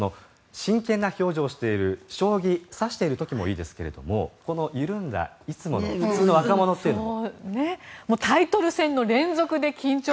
真剣な表情をしている将棋を指している時もいいですがこの緩んだ普通の若者というのも。